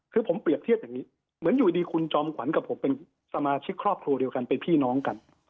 คือผมเปรียบเทียบอย่างนี้เหมือนอยู่ดีคุณจอมขวัญกับผมเป็นสมาชิกครอบครัวเดียวกันเป็นพี่น้องกัน